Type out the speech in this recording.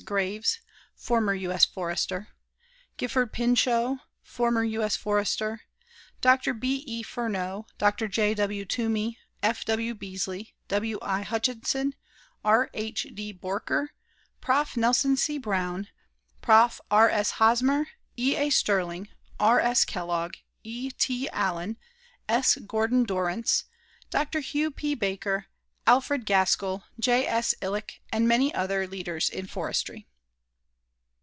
GRAVES, FORMER U.S. FORESTER; GIFFORD PINCHOT, FORMER U.S. FORESTER; DR. B.E. FERNOW, DR. J.W. TOUMEY, F.W. BESLEY, W.I. HUTCHINSON, R.H.D. BOERKER, PROF. NELSON C. BROWN, PROF. R.S. HOSMER, E.A. STERLING, R.S. KELLOGG, E.T. ALLEN, S. GORDON DORRANCE, DR. HUGH P. BAKER, ALFRED GASKILL, J.S. ILLICK, AND MANY OTHER LEADERS IN FORESTRY.